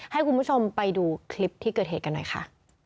ให้คุณผู้ชมไปดูคลิปที่เกิดเหตุกันหน่อยค่ะ